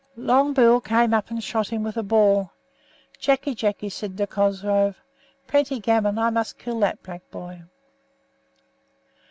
Long Bill came up and shot him with a ball. Jacky Jacky said to Cosgrove: 'Plenty gammon; I must kill that black boy.'